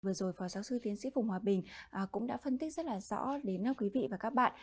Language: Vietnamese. vừa rồi phó giáo sư tiến sĩ phùng hòa bình cũng đã phân tích rất là rõ đến quý vị và các bạn